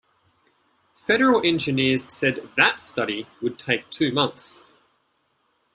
Federal engineers said that study would take two months.